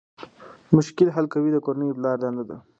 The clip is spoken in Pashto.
مشکل حل کول د کورنۍ د پلار دنده ده.